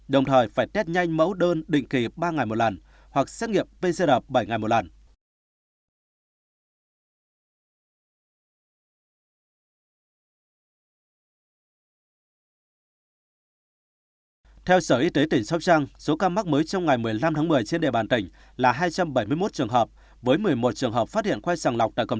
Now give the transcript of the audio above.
đồng thời phải test nhanh mẫu đơn định kỳ ba ngày một lần hoặc xét nghiệm pcr bảy ngày một lần